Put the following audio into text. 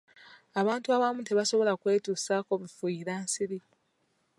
Abantu abamu tebasobola kwetusaako bifuuyira nsiri.